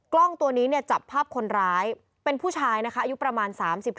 กล้องตัวนี้เนี่ยจับภาพคนร้ายเป็นผู้ชายนะคะอายุประมาณ๓๕